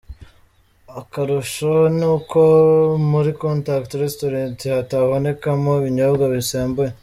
Akarusho ni uko muri Contact Restaurant hatabonekamo ibinyobwa bisembuye.